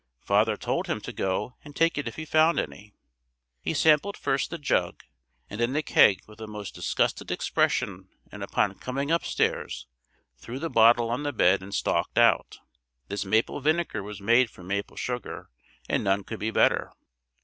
Father told him to go and take it if he found any. He sampled first the jug and then the keg with a most disgusted expression and upon coming upstairs threw the bottle on the bed and stalked out. This maple vinegar was made from maple sugar and none could be better.